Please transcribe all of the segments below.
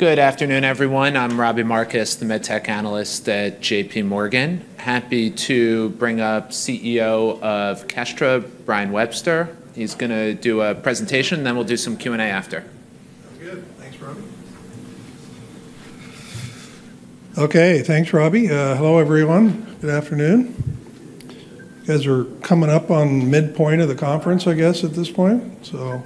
Good afternoon, everyone. I'm Robbie Marcus, the MedTech analyst at JPMorgan. Happy to bring up CEO of Kestra, Brian Webster. He's going to do a presentation, then we'll do some Q&A after. Sounds good. Thanks, Robbie. OK, thanks, Robbie. Hello, everyone. Good afternoon. You guys are coming up on midpoint of the conference, I guess, at this point. So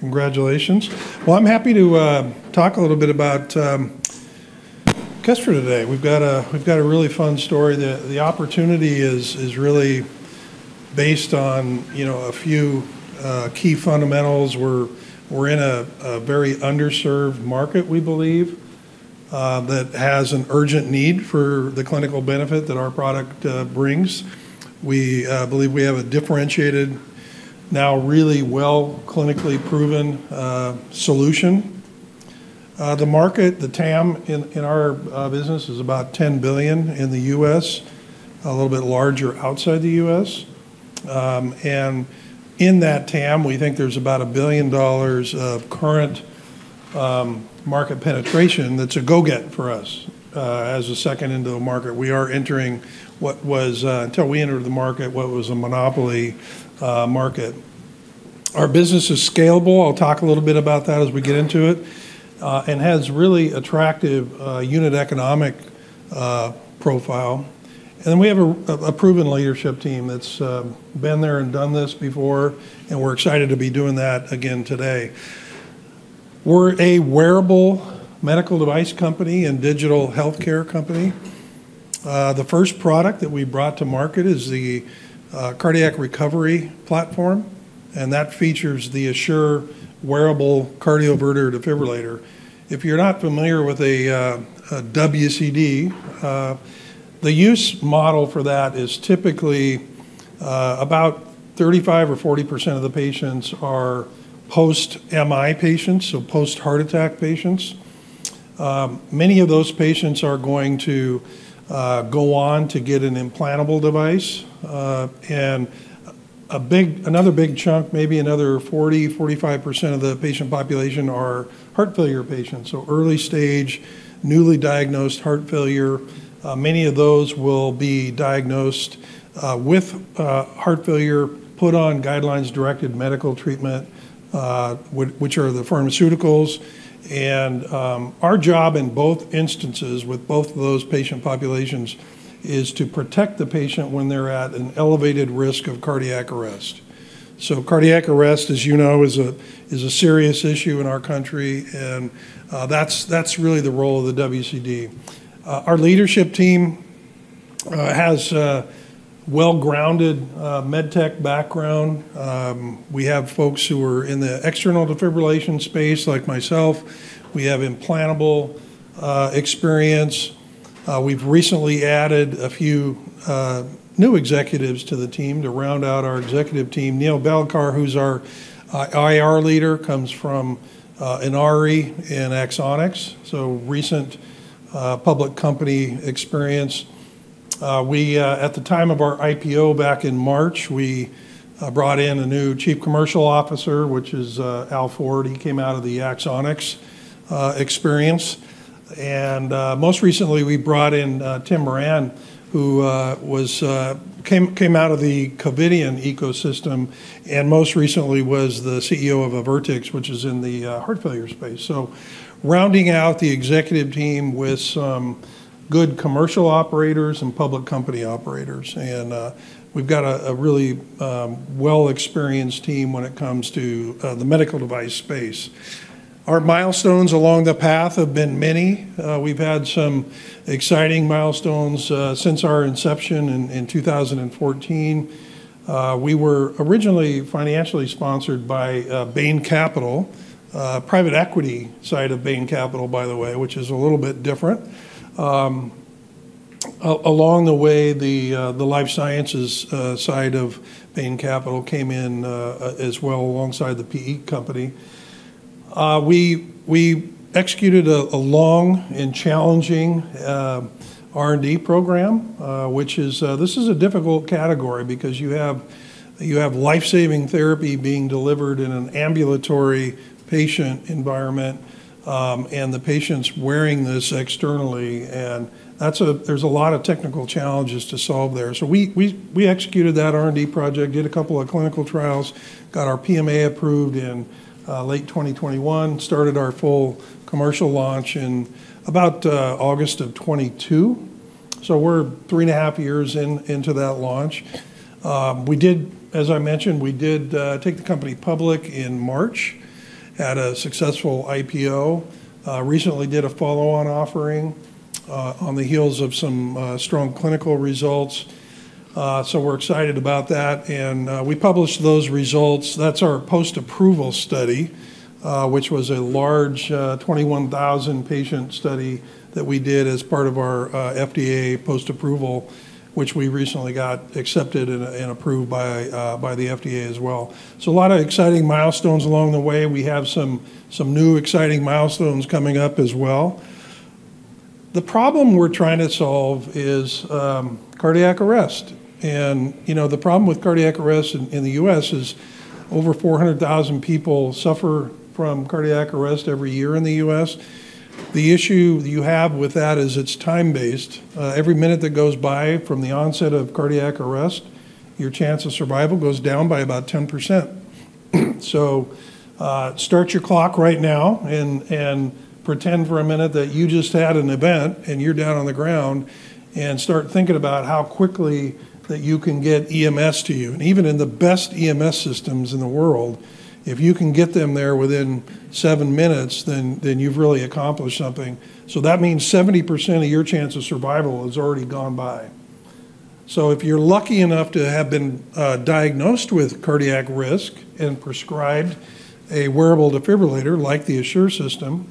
congratulations. Well, I'm happy to talk a little bit about Kestra today. We've got a really fun story. The opportunity is really based on a few key fundamentals. We're in a very underserved market, we believe, that has an urgent need for the clinical benefit that our product brings. We believe we have a differentiated, now really well clinically proven solution. The market, the TAM in our business, is about $10 billion in the U.S., a little bit larger outside the U.S. And in that TAM, we think there's about $1 billion of current market penetration that's low-hanging fruit for us as the second entrant to the market. We are entering what was, until we entered the market, what was a monopoly market. Our business is scalable. I'll talk a little bit about that as we get into it. It has a really attractive unit economic profile. And then we have a proven leadership team that's been there and done this before. And we're excited to be doing that again today. We're a wearable medical device company and digital health care company. The first product that we brought to market is the Cardiac Recovery Platform. And that features the Assure wearable cardioverter-defibrillator. If you're not familiar with a WCD, the use model for that is typically about 35% or 40% of the patients are post-MI patients, so post-heart attack patients. Many of those patients are going to go on to get an implantable device. And another big chunk, maybe another 40% to 45% of the patient population are heart failure patients, so early stage, newly diagnosed heart failure. Many of those will be diagnosed with heart failure, put on guidelines-directed medical treatment, which are the pharmaceuticals, and our job in both instances with both of those patient populations is to protect the patient when they're at an elevated risk of cardiac arrest, so cardiac arrest, as you know, is a serious issue in our country, and that's really the role of the WCD. Our leadership team has a well-grounded MedTech background. We have folks who are in the external defibrillation space, like myself. We have implantable experience. We've recently added a few new executives to the team to round out our executive team. Neil Bhalodkar, who's our IR leader, comes from Inari and Axonics, so recent public company experience. At the time of our IPO back in March, we brought in a new Chief Commercial Officer, which is Al Ford. He came out of the Axonics experience. Most recently, we brought in Tim Moran, who came out of the Covidien ecosystem and most recently was the CEO of Avertix, which is in the heart failure space. So rounding out the executive team with some good commercial operators and public company operators. We've got a really well-experienced team when it comes to the medical device space. Our milestones along the path have been many. We've had some exciting milestones since our inception in 2014. We were originally financially sponsored by Bain Capital, private equity side of Bain Capital, by the way, which is a little bit different. Along the way, the life sciences side of Bain Capital came in as well alongside the PE company. We executed a long and challenging R&D program, which is. This is a difficult category because you have lifesaving therapy being delivered in an ambulatory patient environment. And the patient's wearing this externally. And there's a lot of technical challenges to solve there. So we executed that R&D project, did a couple of clinical trials, got our PMA approved in late 2021, started our full commercial launch in about August of 2022. So we're three and one-half years into that launch. As I mentioned, we did take the company public in March at a successful IPO. Recently did a follow-on offering on the heels of some strong clinical results. So we're excited about that. And we published those results. That's our post-approval study, which was a large 21,000-patient study that we did as part of our FDA post-approval, which we recently got accepted and approved by the FDA as well. So a lot of exciting milestones along the way. We have some new exciting milestones coming up as well. The problem we're trying to solve is cardiac arrest, and the problem with cardiac arrest in the U.S. is over 400,000 people suffer from cardiac arrest every year in the U.S. The issue you have with that is it's time-based. Every minute that goes by from the onset of cardiac arrest, your chance of survival goes down by about 10%, so start your clock right now and pretend for a minute that you just had an event and you're down on the ground and start thinking about how quickly that you can get EMS to you, and even in the best EMS systems in the world, if you can get them there within seven minutes, then you've really accomplished something, so that means 70% of your chance of survival has already gone by. If you're lucky enough to have been diagnosed with cardiac risk and prescribed a wearable defibrillator like the Assure system,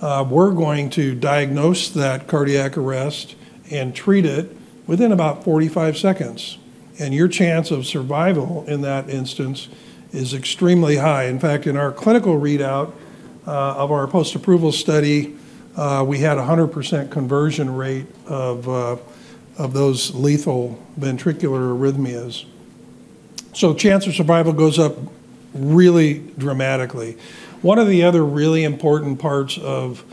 we're going to diagnose that cardiac arrest and treat it within about 45 seconds. Your chance of survival in that instance is extremely high. In fact, in our clinical readout of our post-approval study, we had a 100% conversion rate of those lethal ventricular arrhythmias. Chance of survival goes up really dramatically. One of the other really important parts of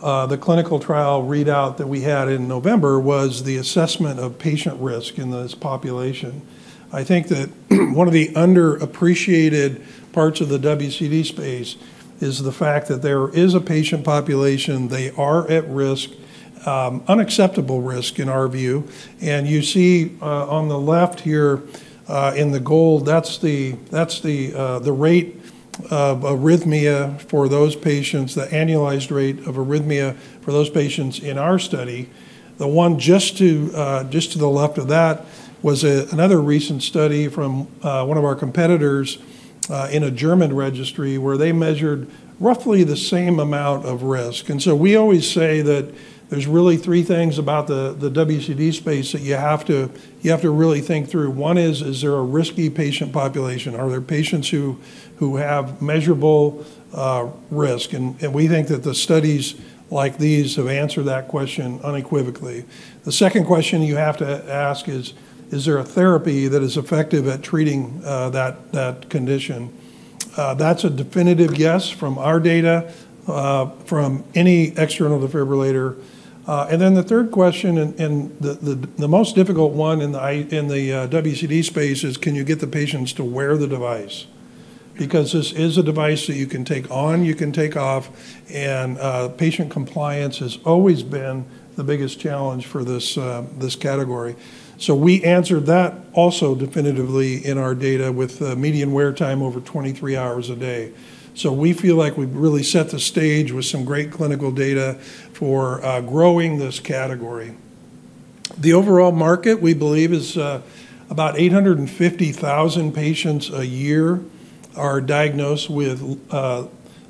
the clinical trial readout that we had in November was the assessment of patient risk in this population. One of the underappreciated parts of the WCD space is the fact that there is a patient population. They are at risk, unacceptable risk in our view. You see on the left here in the gold. That's the rate of arrhythmia for those patients, the annualized rate of arrhythmia for those patients in our study. The one just to the left of that was another recent study from one of our competitors in a German registry where they measured roughly the same amount of risk. And so we always say that there's really three things about the WCD space that you have to really think through. One is, is there a risky patient population? Are there patients who have measurable risk? And we think that the studies like these have answered that question unequivocally. The second question you have to ask is, is there a therapy that is effective at treating that condition? That's a definitive yes from our data, from any external defibrillator. Then the third question, and the most difficult one in the WCD space, is, can you get the patients to wear the device? Because this is a device that you can put on, you can take off. Patient compliance has always been the biggest challenge for this category. We answered that also definitively in our data with median wear time over 23 hours a day. We feel like we've really set the stage with some great clinical data for growing this category. The overall market, we believe, is about 850,000 patients a year are diagnosed with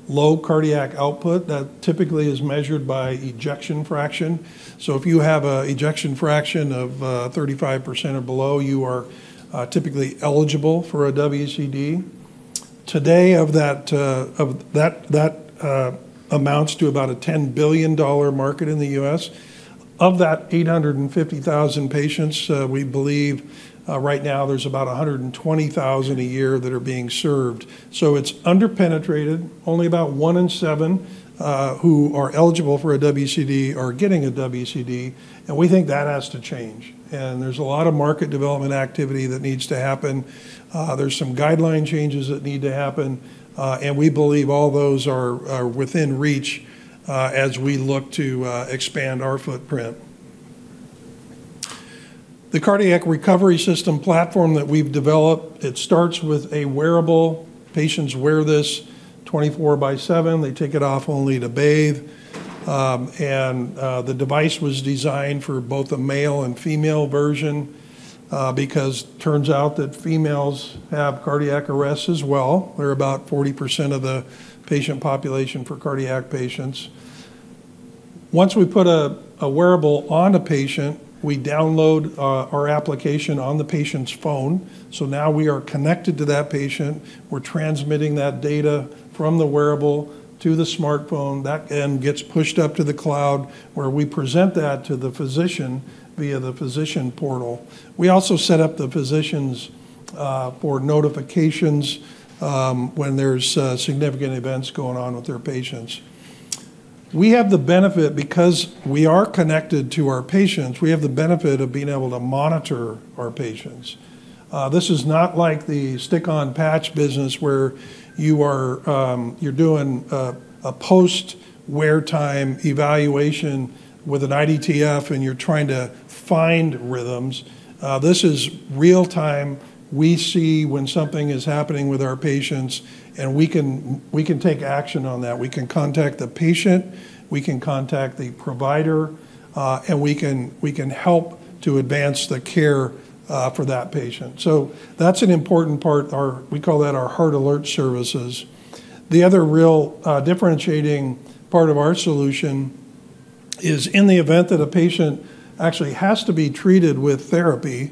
low cardiac output. That typically is measured by ejection fraction. If you have an ejection fraction of 35% or below, you are typically eligible for a WCD. Today, that amounts to about a $10 billion market in the U.S. Of that 850,000 patients, we believe right now there's about 120,000 a year that are being served. So it's underpenetrated. Only about 1 in 7 who are eligible for a WCD are getting a WCD. And we think that has to change. And there's a lot of market development activity that needs to happen. There's some guideline changes that need to happen. And we believe all those are within reach as we look to expand our footprint. The cardiac recovery system platform that we've developed, it starts with a wearable. Patients wear this 24 by 7. They take it off only to bathe. And the device was designed for both a male and female version because it turns out that females have cardiac arrest as well. They're about 40% of the patient population for cardiac patients. Once we put a wearable on a patient, we download our application on the patient's phone, so now we are connected to that patient. We're transmitting that data from the wearable to the smartphone. That then gets pushed up to the cloud where we present that to the physician via the physician portal. We also set up the physicians for notifications when there's significant events going on with their patients. We have the benefit because we are connected to our patients, we have the benefit of being able to monitor our patients. This is not like the stick-on-patch business where you're doing a post-wear time evaluation with an IDTF and you're trying to find rhythms. This is real time. We see when something is happening with our patients, and we can take action on that. We can contact the patient. We can contact the provider. And we can help to advance the care for that patient. So that's an important part. We call that our Heart Alert services. The other real differentiating part of our solution is in the event that a patient actually has to be treated with therapy,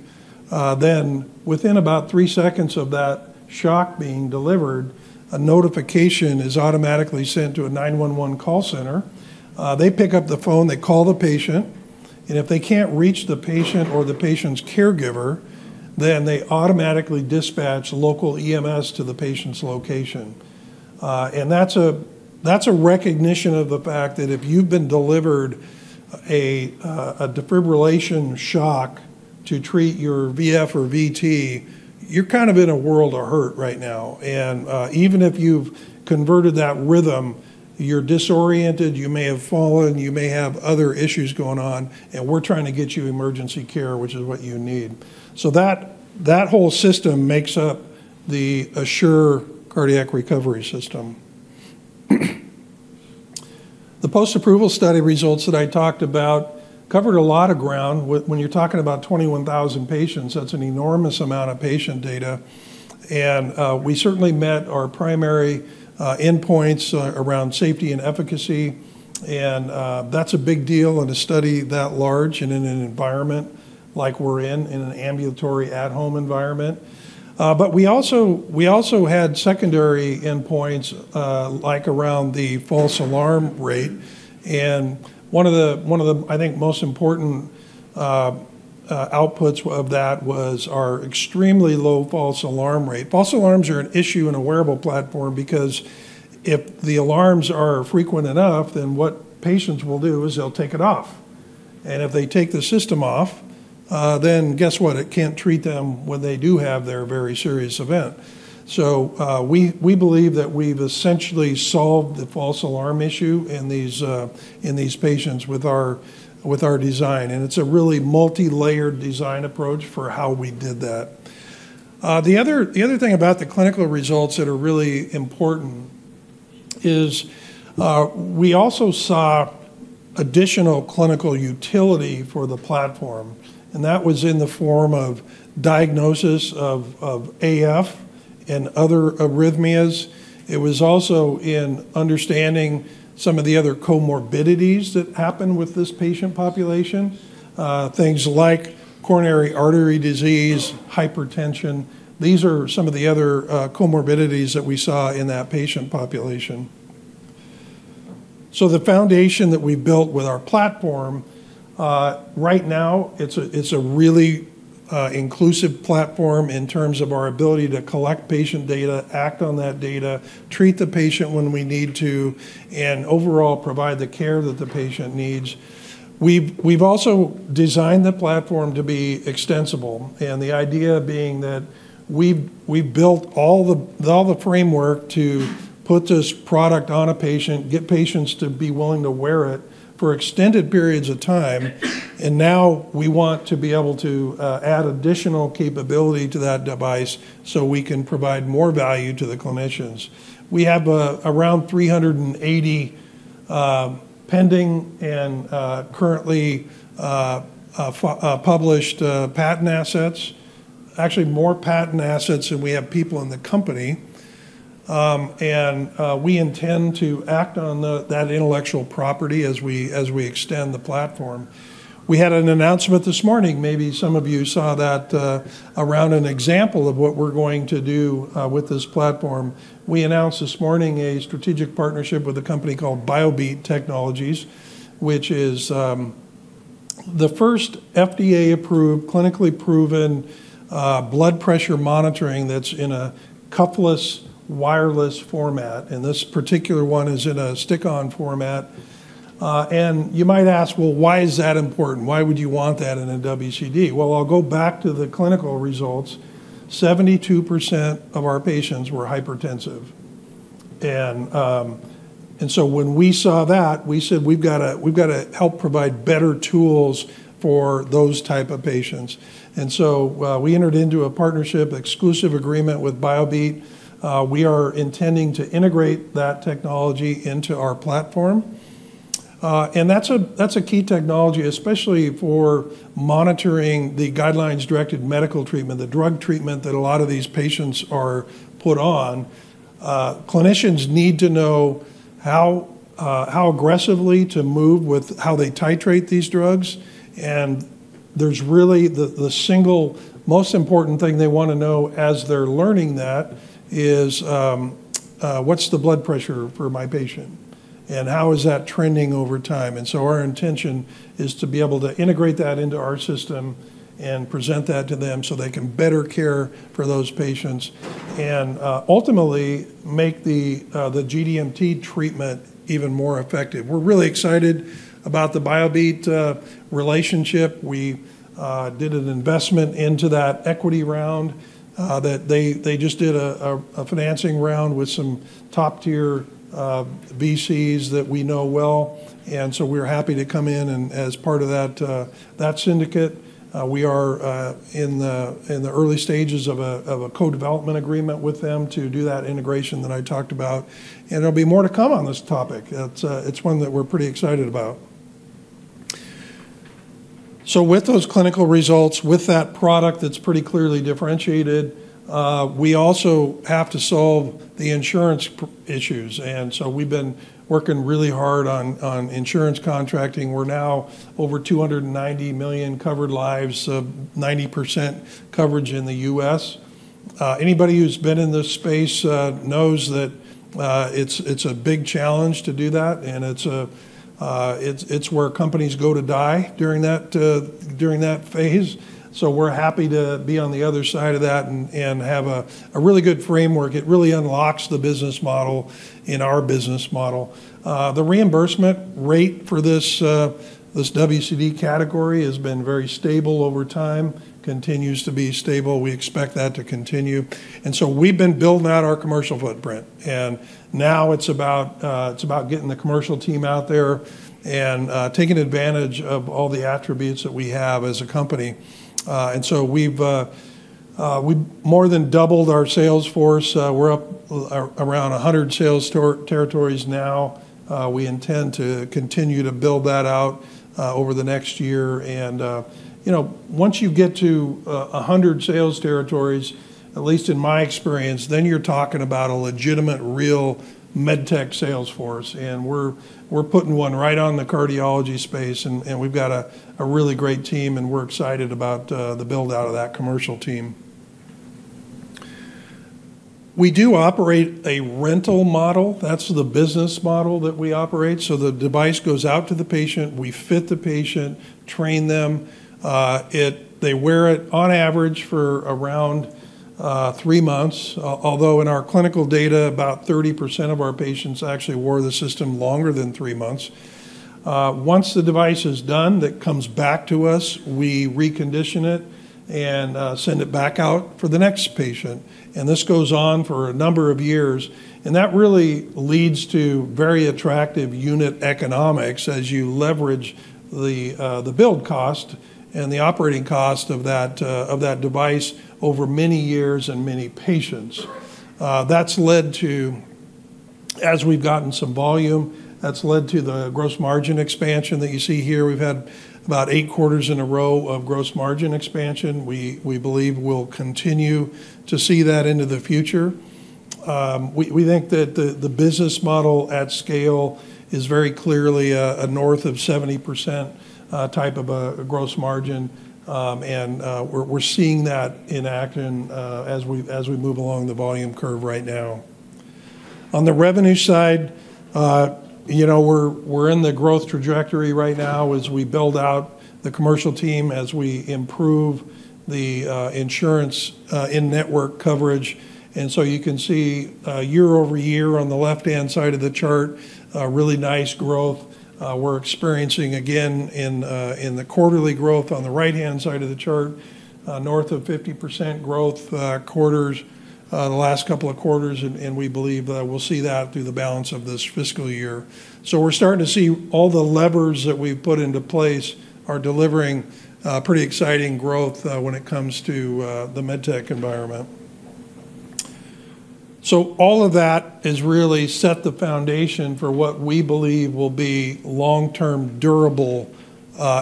then within about three seconds of that shock being delivered, a notification is automatically sent to a 911 call center. They pick up the phone. They call the patient. And if they can't reach the patient or the patient's caregiver, then they automatically dispatch local EMS to the patient's location. And that's a recognition of the fact that if you've been delivered a defibrillation shock to treat your VF or VT, you're kind of in a world of hurt right now. And even if you've converted that rhythm, you're disoriented, you may have fallen, you may have other issues going on. We're trying to get you emergency care, which is what you need. That whole system makes up the Assure Cardiac Recovery System. The post-approval study results that I talked about covered a lot of ground. When you're talking about 21,000 patients, that's an enormous amount of patient data. We certainly met our primary endpoints around safety and efficacy. That's a big deal in a study that large and in an environment like we're in, in an ambulatory at-home environment. We also had secondary endpoints like around the false alarm rate. One of the, I think, most important outputs of that was our extremely low false alarm rate. False alarms are an issue in a wearable platform because if the alarms are frequent enough, then what patients will do is they'll take it off. If they take the system off, then guess what? It can't treat them when they do have their very serious event. So we believe that we've essentially solved the false alarm issue in these patients with our design. And it's a really multi-layered design approach for how we did that. The other thing about the clinical results that are really important is we also saw additional clinical utility for the platform. And that was in the form of diagnosis of AF and other arrhythmias. It was also in understanding some of the other comorbidities that happen with this patient population, things like coronary artery disease, hypertension. These are some of the other comorbidities that we saw in that patient population. So the foundation that we built with our platform, right now, it's a really inclusive platform in terms of our ability to collect patient data, act on that data, treat the patient when we need to, and overall provide the care that the patient needs. We've also designed the platform to be extensible. And the idea being that we built all the framework to put this product on a patient, get patients to be willing to wear it for extended periods of time. And now we want to be able to add additional capability to that device so we can provide more value to the clinicians. We have around 380 pending and currently published patent assets, actually more patent assets than we have people in the company. And we intend to act on that intellectual property as we extend the platform. We had an announcement this morning. Maybe some of you saw that around an example of what we're going to do with this platform. We announced this morning a strategic partnership with a company called Biobeat Technologies, which is the first FDA-approved, clinically proven blood pressure monitoring that's in a cuffless wireless format. And this particular one is in a stick-on format. And you might ask, well, why is that important? Why would you want that in a WCD? Well, I'll go back to the clinical results. 72% of our patients were hypertensive. And so when we saw that, we said, we've got to help provide better tools for those types of patients. And so we entered into a partnership, exclusive agreement with Biobeat. We are intending to integrate that technology into our platform. And that's a key technology, especially for monitoring the guidelines-directed medical treatment, the drug treatment that a lot of these patients are put on. Clinicians need to know how aggressively to move with how they titrate these drugs. And there's really the single most important thing they want to know as they're learning that is, what's the blood pressure for my patient? And how is that trending over time? And so our intention is to be able to integrate that into our system and present that to them so they can better care for those patients and ultimately make the GDMT treatment even more effective. We're really excited about the Biobeat relationship. We did an investment into that equity round. They just did a financing round with some top-tier VCs that we know well. And so we're happy to come in. And as part of that syndicate, we are in the early stages of a co-development agreement with them to do that integration that I talked about. And there'll be more to come on this topic. It's one that we're pretty excited about. So with those clinical results, with that product that's pretty clearly differentiated, we also have to solve the insurance issues. And so we've been working really hard on insurance contracting. We're now over 290 million covered lives, 90% coverage in the U.S. Anybody who's been in this space knows that it's a big challenge to do that. And it's where companies go to die during that phase. So we're happy to be on the other side of that and have a really good framework. It really unlocks the business model in our business model. The reimbursement rate for this WCD category has been very stable over time, continues to be stable. We expect that to continue. And so we've been building out our commercial footprint. And now it's about getting the commercial team out there and taking advantage of all the attributes that we have as a company. And so we've more than doubled our sales force. We're up around 100 sales territories now. We intend to continue to build that out over the next year. And once you get to 100 sales territories, at least in my experience, then you're talking about a legitimate, real med tech sales force. And we're putting one right on the cardiology space. And we've got a really great team. And we're excited about the build-out of that commercial team. We do operate a rental model. That's the business model that we operate. So the device goes out to the patient. We fit the patient, train them. They wear it on average for around three months. Although in our clinical data, about 30% of our patients actually wore the system longer than three months. Once the device is done, that comes back to us, we recondition it and send it back out for the next patient. And this goes on for a number of years. And that really leads to very attractive unit economics as you leverage the build cost and the operating cost of that device over many years and many patients. That's led to, as we've gotten some volume, that's led to the gross margin expansion that you see here. We've had about eight quarters in a row of gross margin expansion. We believe we'll continue to see that into the future. We think that the business model at scale is very clearly a north of 70% type of a gross margin. And we're seeing that in action as we move along the volume curve right now. On the revenue side, we're in the growth trajectory right now as we build out the commercial team, as we improve the insurance in-network coverage. And so you can see year over year on the left-hand side of the chart, really nice growth. We're experiencing again in the quarterly growth on the right-hand side of the chart, north of 50% growth quarters, the last couple of quarters. And we believe that we'll see that through the balance of this fiscal year. So we're starting to see all the levers that we've put into place are delivering pretty exciting growth when it comes to the MedTech environment. So all of that has really set the foundation for what we believe will be long-term, durable,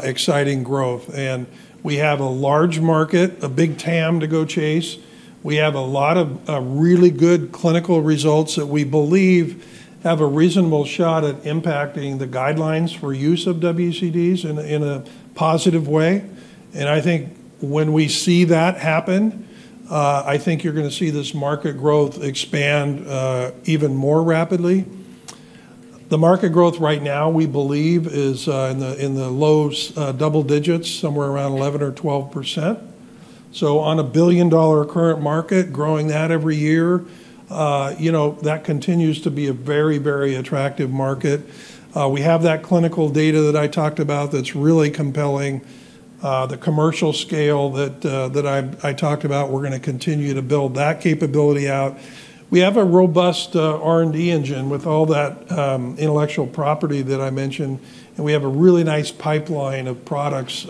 exciting growth. And we have a large market, a big TAM to go chase. We have a lot of really good clinical results that we believe have a reasonable shot at impacting the guidelines for use of WCDs in a positive way. And I think when we see that happen, I think you're going to see this market growth expand even more rapidly. The market growth right now, we believe, is in the low double digits, somewhere around 11% or 12%. So on a $1 billion current market, growing that every year, that continues to be a very, very attractive market. We have that clinical data that I talked about that's really compelling. The commercial scale that I talked about, we're going to continue to build that capability out. We have a robust R&D engine with all that intellectual property that I mentioned. And we have a really nice pipeline of products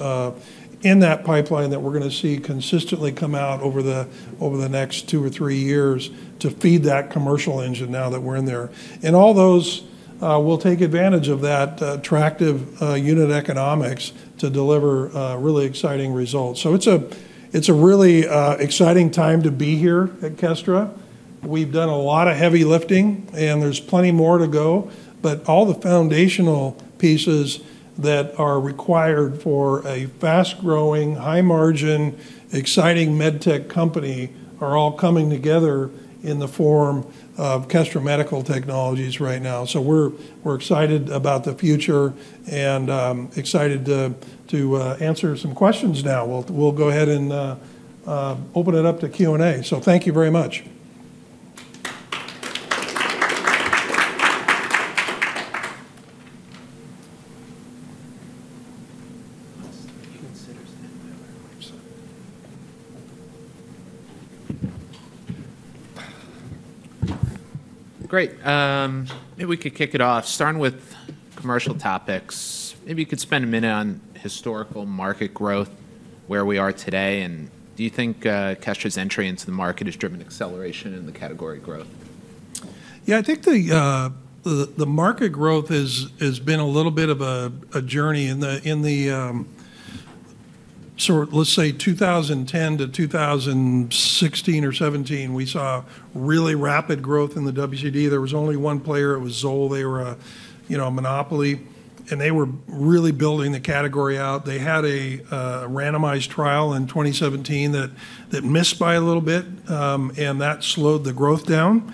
in that pipeline that we're going to see consistently come out over the next two or three years to feed that commercial engine now that we're in there. And all those, we'll take advantage of that attractive unit economics to deliver really exciting results. So it's a really exciting time to be here at Kestra. We've done a lot of heavy lifting, and there's plenty more to go. But all the foundational pieces that are required for a fast-growing, high-margin, exciting MedTech company are all coming together in the form of Kestra Medical Technologies right now. So we're excited about the future and excited to answer some questions now. We'll go ahead and open it up to Q&A. So thank you very much. Great. Maybe we could kick it off. Starting with commercial topics, maybe you could spend a minute on historical market growth, where we are today. And do you think Kestra's entry into the market has driven acceleration in the category growth? Yeah, I think the market growth has been a little bit of a journey. In the, let's say, 2010 to 2016 or 2017, we saw really rapid growth in the WCD. There was only one player. It was Zoll. They were a monopoly. And they were really building the category out. They had a randomized trial in 2017 that missed by a little bit. And that slowed the growth down.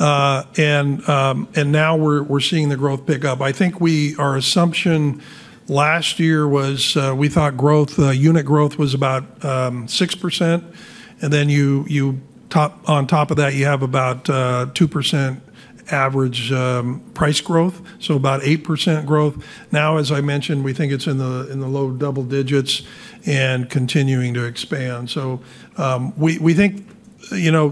And now we're seeing the growth pick up. I think our assumption last year was we thought unit growth was about 6%. And then on top of that, you have about 2% average price growth, so about 8% growth. Now, as I mentioned, we think it's in the low double digits and continuing to expand. So we think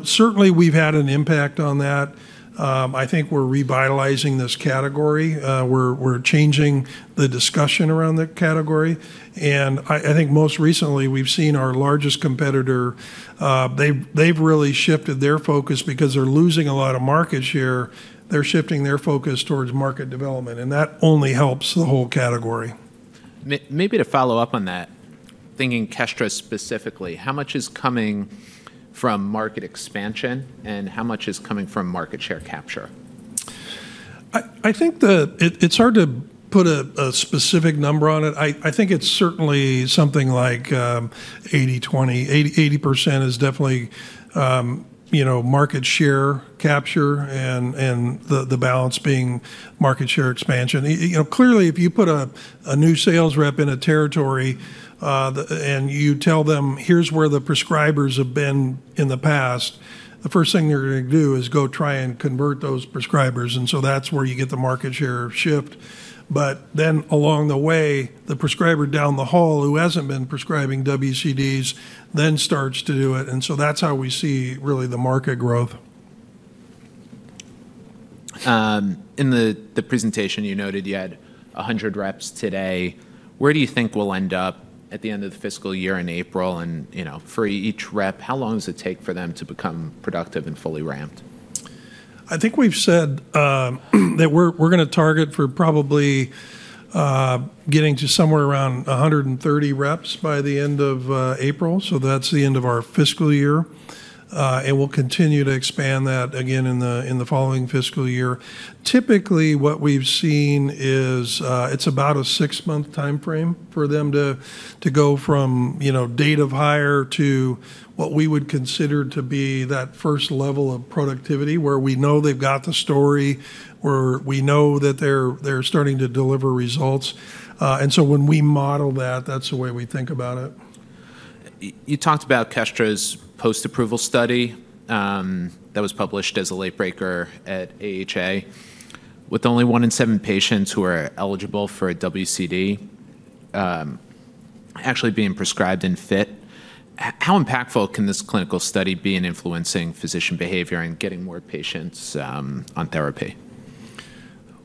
certainly we've had an impact on that. I think we're revitalizing this category. We're changing the discussion around the category. And I think most recently, we've seen our largest competitor, they've really shifted their focus because they're losing a lot of market share. They're shifting their focus towards market development. And that only helps the whole category. Maybe to follow up on that, thinking Kestra specifically, how much is coming from market expansion and how much is coming from market share capture? I think it's hard to put a specific number on it. I think it's certainly something like 80/20. 80% is definitely market share capture and the balance being market share expansion. Clearly, if you put a new sales rep in a territory and you tell them, "Here's where the prescribers have been in the past," the first thing they're going to do is go try and convert those prescribers, and so that's where you get the market share shift, but then along the way, the prescriber down the hall who hasn't been prescribing WCDs then starts to do it, and so that's how we see really the market growth. In the presentation, you noted you had 100 reps today. Where do you think we'll end up at the end of the fiscal year in April, and for each rep, how long does it take for them to become productive and fully ramped? I think we've said that we're going to target for probably getting to somewhere around 130 reps by the end of April. So that's the end of our fiscal year. And we'll continue to expand that again in the following fiscal year. Typically, what we've seen is it's about a six-month timeframe for them to go from date of hire to what we would consider to be that first level of productivity where we know they've got the story, where we know that they're starting to deliver results. And so when we model that, that's the way we think about it. You talked about Kestra's post-approval study that was published as a late breaker at AHA, with only one in seven patients who are eligible for a WCD actually being prescribed, in fact. How impactful can this clinical study be in influencing physician behavior and getting more patients on therapy?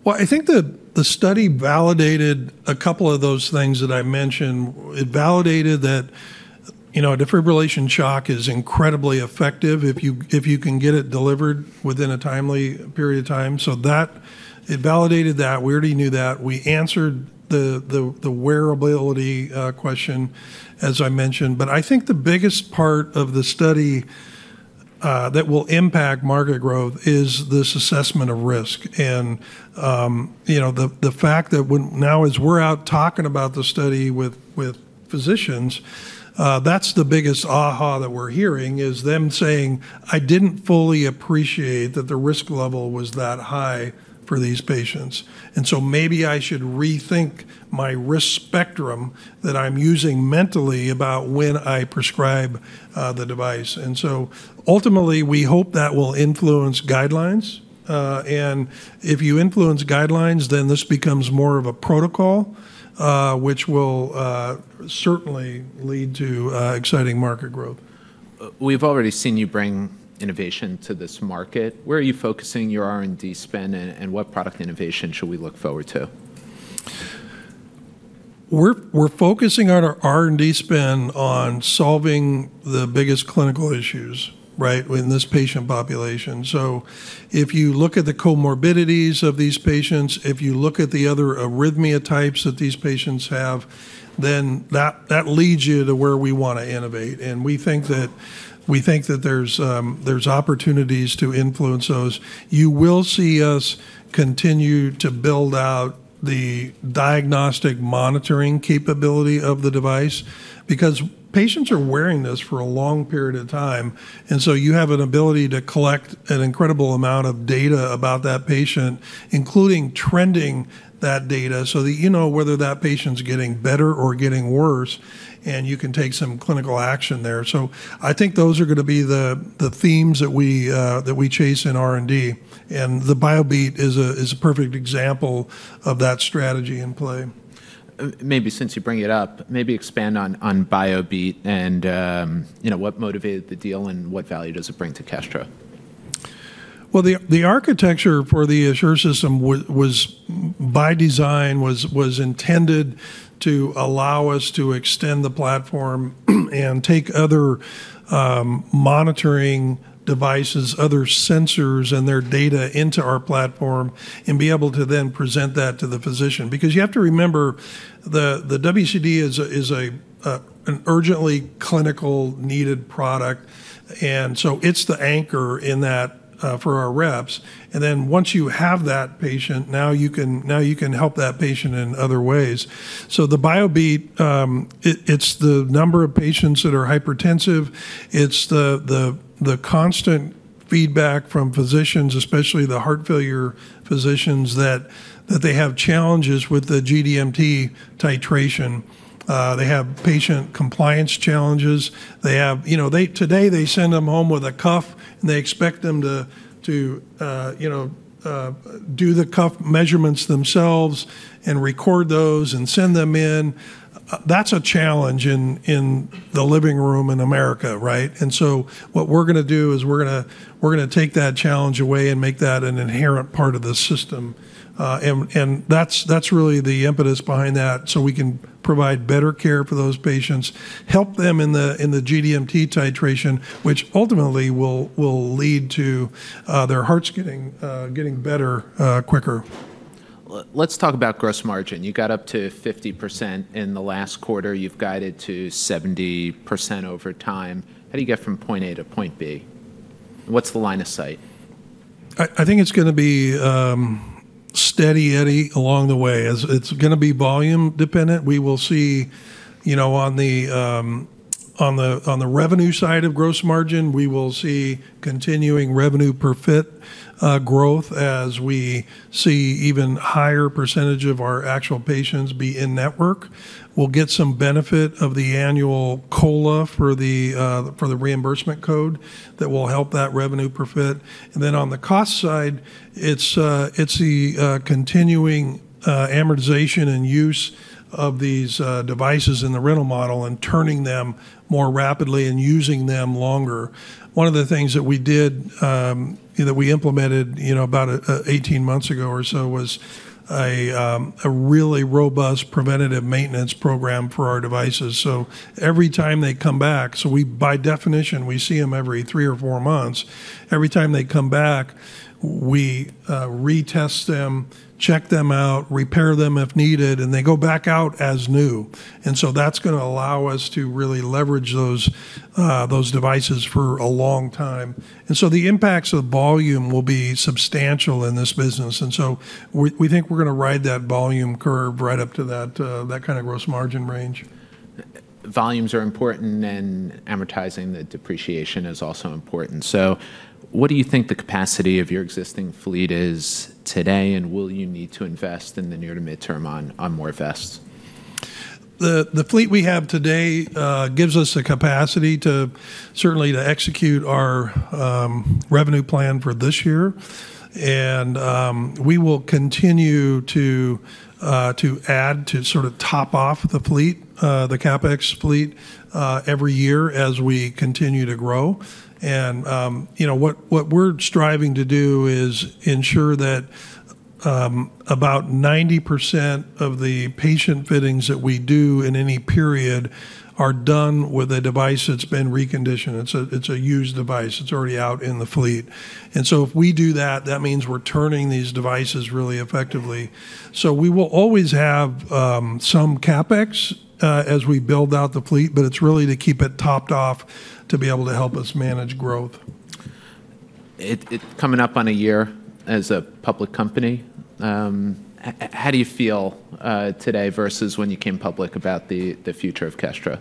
Well, I think the study validated a couple of those things that I mentioned. It validated that defibrillation shock is incredibly effective if you can get it delivered within a timely period of time. So it validated that. We already knew that. We answered the wearability question, as I mentioned. But I think the biggest part of the study that will impact market growth is this assessment of risk. And the fact that now as we're out talking about the study with physicians, that's the biggest aha that we're hearing is them saying, "I didn't fully appreciate that the risk level was that high for these patients. And so maybe I should rethink my risk spectrum that I'm using mentally about when I prescribe the device." And so ultimately, we hope that will influence guidelines. And if you influence guidelines, then this becomes more of a protocol, which will certainly lead to exciting market growth. We've already seen you bring innovation to this market. Where are you focusing your R&D spend, and what product innovation should we look forward to? We're focusing our R&D spend on solving the biggest clinical issues in this patient population. So if you look at the comorbidities of these patients, if you look at the other arrhythmia types that these patients have, then that leads you to where we want to innovate. And we think that there's opportunities to influence those. You will see us continue to build out the diagnostic monitoring capability of the device because patients are wearing this for a long period of time. And so you have an ability to collect an incredible amount of data about that patient, including trending that data, so that you know whether that patient's getting better or getting worse, and you can take some clinical action there. I think those are going to be the themes that we chase in R&D. The Biobeat is a perfect example of that strategy in play. Maybe since you bring it up, maybe expand on Biobeat and what motivated the deal and what value does it bring to Kestra? The architecture for the Assure system by design was intended to allow us to extend the platform and take other monitoring devices, other sensors, and their data into our platform and be able to then present that to the physician. Because you have to remember, the WCD is an urgently clinical needed product. It's the anchor in that for our reps. Then once you have that patient, now you can help that patient in other ways. The Biobeat, it's the number of patients that are hypertensive. It's the constant feedback from physicians, especially the heart failure physicians, that they have challenges with the GDMT titration. They have patient compliance challenges. Today, they send them home with a cuff, and they expect them to do the cuff measurements themselves and record those and send them in. That's a challenge in the living room in America. And so what we're going to do is we're going to take that challenge away and make that an inherent part of the system. And that's really the impetus behind that so we can provide better care for those patients, help them in the GDMT titration, which ultimately will lead to their hearts getting better quicker. Let's talk about gross margin. You got up to 50% in the last quarter. You've guided to 70% over time. How do you get from point A to point B? What's the line of sight? I think it's going to be steady, Eddie, along the way. It's going to be volume dependent. We will see on the revenue side of gross margin, we will see continuing revenue per fit growth as we see even higher percentage of our actual patients be in network. We'll get some benefit of the annual COLA for the reimbursement code that will help that revenue per fit, and then on the cost side, it's the continuing amortization and use of these devices in the rental model and turning them more rapidly and using them longer. One of the things that we did that we implemented about 18 months ago or so was a really robust preventative maintenance program for our devices. So every time they come back, so by definition, we see them every three or four months. Every time they come back, we retest them, check them out, repair them if needed, and they go back out as new. And so that's going to allow us to really leverage those devices for a long time. And so the impacts of volume will be substantial in this business. And so we think we're going to ride that volume curve right up to that kind of gross margin range. Volumes are important, and amortizing the depreciation is also important. So what do you think the capacity of your existing fleet is today, and will you need to invest in the near to midterm on more vests? The fleet we have today gives us the capacity to certainly execute our revenue plan for this year. And we will continue to add to sort of top off the fleet, the CapEx fleet, every year as we continue to grow. What we're striving to do is ensure that about 90% of the patient fittings that we do in any period are done with a device that's been reconditioned. It's a used device. It's already out in the fleet. So if we do that, that means we're turning these devices really effectively. We will always have some CapEx as we build out the fleet, but it's really to keep it topped off to be able to help us manage growth. Coming up on a year as a public company, how do you feel today versus when you came public about the future of Kestra?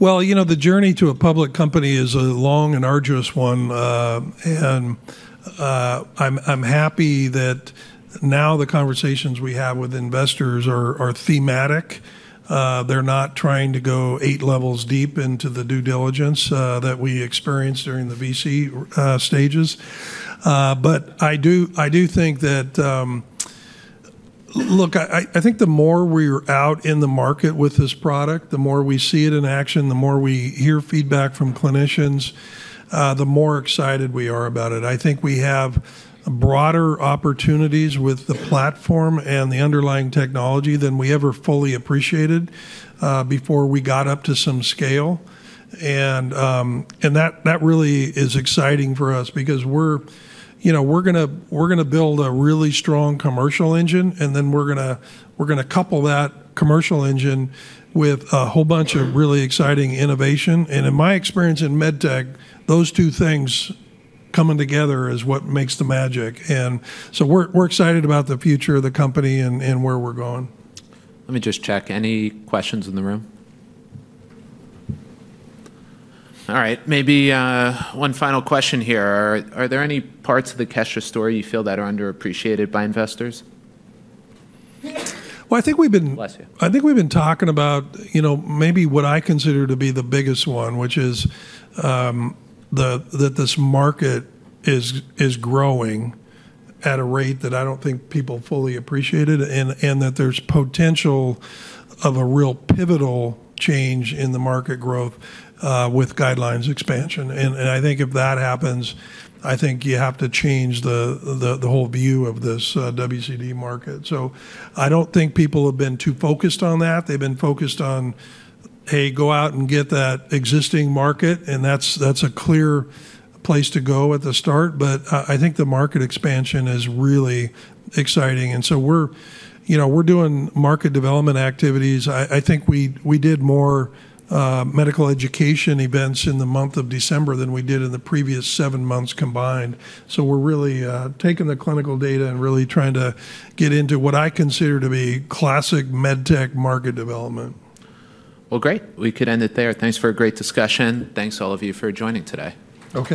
The journey to a public company is a long and arduous one. I'm happy that now the conversations we have with investors are thematic. They're not trying to go eight levels deep into the due diligence that we experienced during the VC stages. But I do think that, look, I think the more we're out in the market with this product, the more we see it in action, the more we hear feedback from clinicians, the more excited we are about it. I think we have broader opportunities with the platform and the underlying technology than we ever fully appreciated before we got up to some scale. And that really is exciting for us because we're going to build a really strong commercial engine, and then we're going to couple that commercial engine with a whole bunch of really exciting innovation. And in my experience in MedTech, those two things coming together is what makes the magic. And so we're excited about the future of the company and where we're going. Let me just check. Any questions in the room? All right. Maybe one final question here. Are there any parts of the Kestra story you feel that are underappreciated by investors? Well, I think we've been talking about maybe what I consider to be the biggest one, which is that this market is growing at a rate that I don't think people fully appreciate it and that there's potential of a real pivotal change in the market growth with guidelines expansion. And I think if that happens, I think you have to change the whole view of this WCD market. So I don't think people have been too focused on that. They've been focused on, "Hey, go out and get that existing market," and that's a clear place to go at the start. But I think the market expansion is really exciting. And so we're doing market development activities. I think we did more medical education events in the month of December than we did in the previous seven months combined. So we're really taking the clinical data and really trying to get into what I consider to be classic MedTech market development. Well, great. We could end it there. Thanks for a great discussion. Thanks to all of you for joining today. Okay.